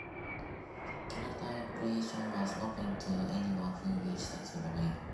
Character creation was open to anyone who wished to log-in.